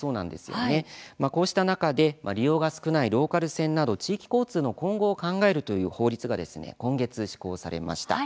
こうした中で利用が少ないローカル線など地域交通の今後を考えるという法律が今月、施行されました。